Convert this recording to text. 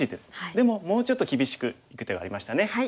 でももうちょっと厳しくいく手がありましたね。